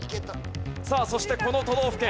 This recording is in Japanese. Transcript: さあそしてこの都道府県。